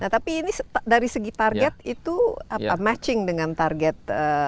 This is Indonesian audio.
tapi ini dari segi target itu matching dengan target